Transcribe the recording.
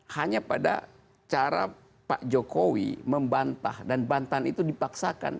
hanya pada cara pak jokowi membantah dan bantan itu dipaksakan